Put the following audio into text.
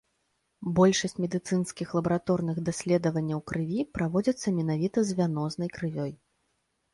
Большасць медыцынскіх лабараторных даследаванняў крыві праводзіцца менавіта з вянознай крывёй.